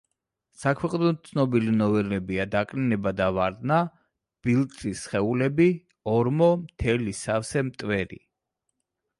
საქვეყნოდ ცნობილი ნოველებია: „დაკნინება და ვარდნა“, „ბილწი სხეულები“, ორმო, „მთელი სავსე მტვერი“.